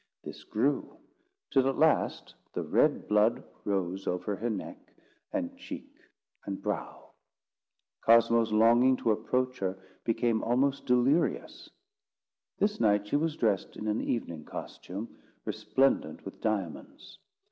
This grew; till at last the red blood rose over her neck, and cheek, and brow. Cosmo's longing to approach her became almost delirious. This night she was dressed in an evening costume, resplendent with diamonds.